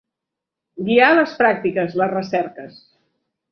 Guiar les pràctiques, les recerques.